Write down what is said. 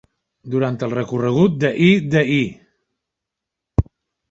Durant el recorregut de Hi-de-Hi!